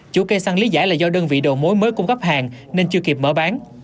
chủ cây xăng lý giải là do đơn vị đầu mối mới cung cấp hàng nên chưa kịp mở bán